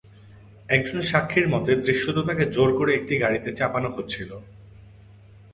একজন সাক্ষীর মতে, দৃশ্যত তাকে জোর করে একটি গাড়িতে চাপানো হচ্ছিল।